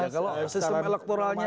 kalau sistem elektoralnya